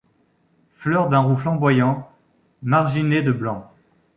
Fleurs d’un roux flamboyant marginées de blanc.